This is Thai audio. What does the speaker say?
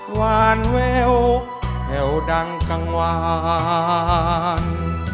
หวานแววแผ่วดังกลางวาน